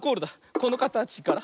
このかたちから。